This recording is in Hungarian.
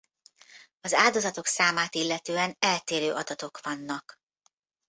Az áldozatok számát illetően eltérő adatok vannak.